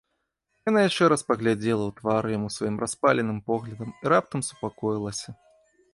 Яна яшчэ раз паглядзела ў твар яму сваім распаленым поглядам і раптам супакоілася.